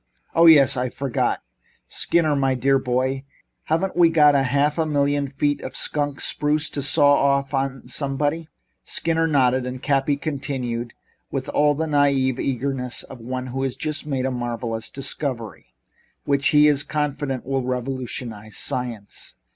"Oh, yes, I forgot. Skinner, dear boy, haven't we got about half a million feet of skunk spruce to saw off on somebody?" Mr. Skinner nodded and Cappy continued with all the naïve eagerness of one who has just made a marvelous discovery, which he is confident will revolutionize science.